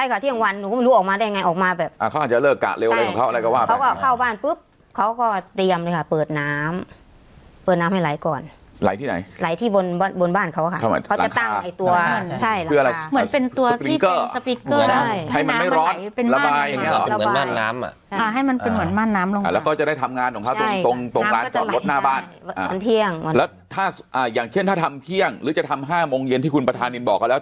ออกมาหนูรู้ออกมาได้ไงออกมาแบบเขาจะเลิกกะเร็วอะไรก็ว่าเวลาก็เข้าบ้านพบเบอะเขาก็เตรียมค่ะเปิดน้ำปืนตำให้ไหลก่อนร้ายที่ไงไหลที่วนบ้านบนบ้านเขาอรรคาตังคลิกเกอร์ไอ้รอด